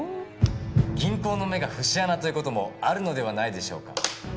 銀行の目が節穴という事もあるのではないでしょうか？